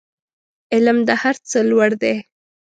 علم د هر څه لوړ دی